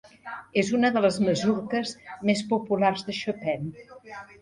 És una de les masurques més populars de Chopin.